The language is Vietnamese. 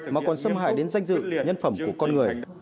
mà còn xâm hại đến danh dự nhân phẩm của con người